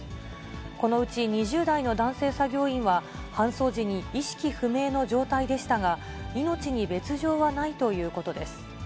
このうち２０代の男性作業員は、搬送時に意識不明の状態でしたが、命に別状はないということです。